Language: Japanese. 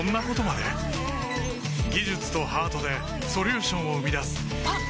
技術とハートでソリューションを生み出すあっ！